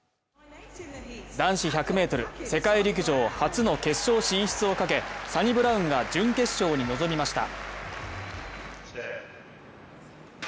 男子１００ｍ、世界陸上初の決勝進出をかけサニブラウンが準決勝に臨みました。